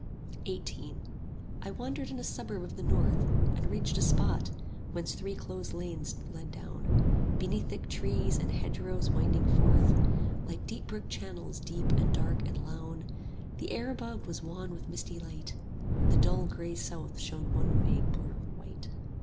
XVIII I wandered in a suburb of the north, And reached a spot whence three close lanes led down, Beneath thick trees and hedgerows winding forth Like deep brook channels, deep and dark and lown: The air above was wan with misty light, 5 The dull grey south showed one vague blur of white.